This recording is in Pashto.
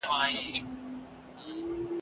او پښې وهي، هڅي کوي